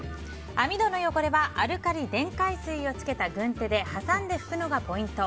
網戸の汚れはアルカリ電解水をつけた軍手で挟んで拭くのがポイント。